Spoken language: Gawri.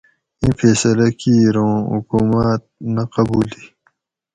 ایں فیصلہ کِیر اوں حکوماۤت نہ قبولی